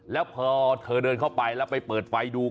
แล้วพอเธอเดินเข้าไปแล้วไปเปิดไฟดู